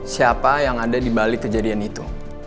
siapa yang ada dibalik kejadian itu